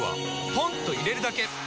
ポンと入れるだけ！